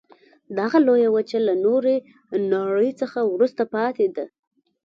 دغه لویه وچه له نورې نړۍ وروسته پاتې ده.